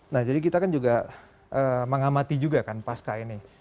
nah jadi kita kan juga mengamati juga kan pasca ini